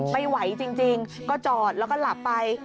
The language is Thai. ไม่ไหวจริงก็จอดแล้วก็หลับไป